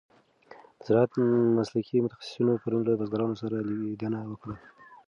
د زراعت مسلکي متخصصینو پرون له بزګرانو سره لیدنه وکړه.